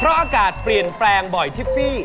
เพราะอากาศเปลี่ยนแปลงบ่อยทิฟฟี่